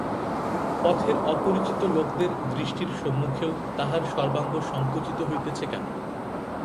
পথের অপরিচিত লোকদের দৃষ্টির সম্মুখেও তাহার সর্বাঙ্গ সংকুচিত হইতেছে কেন।